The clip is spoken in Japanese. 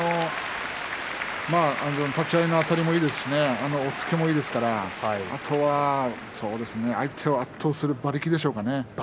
立ち合いのあたりもいいですし、押っつけもいいですからあとは相手を圧倒する馬力でしょうかね。